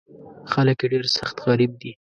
خلک یې ډېر سخت غریب دي.